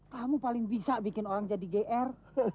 kamu paling bisa bikin orang jadi gr